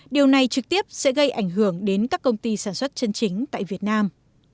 điều này trực tiếp sẽ gây ảnh hưởng đến các công ty sản xuất chân chính tại việt nam